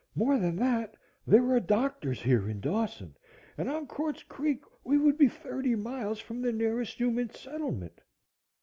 More than that, there are doctors here in Dawson and on Quartz Creek we would be thirty miles from the nearest human settlement."